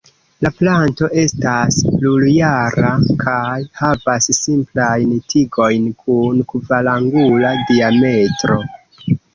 La planto estas plurjara kaj havas simplajn tigojn kun kvarangula diametro.